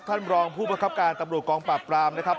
ท่านรองผู้ประคับการตำรวจกองปราบปรามนะครับ